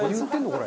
これ。